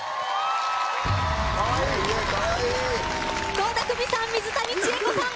倖田來未さん、水谷千重子さん